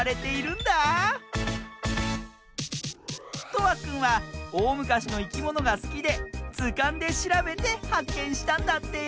とわくんはおおむかしのいきものがすきでずかんでしらべてはっけんしたんだって！